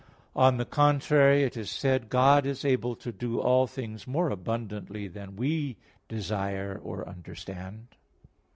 On the contrary, It is said (Eph. 3:20): "God is able to do all things more abundantly than we desire or understand."